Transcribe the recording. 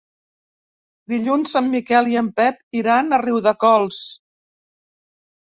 Dilluns en Miquel i en Pep iran a Riudecols.